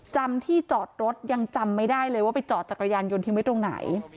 จำที่จอดรถยังจำไม่ได้เลยว่าไปจอดจักรยานยนต์ทิ้งไว้ตรงไหน